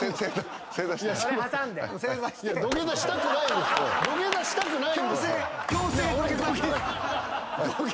土下座したくない。